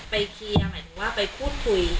เคลียร์หมายถึงว่าไปพูดคุย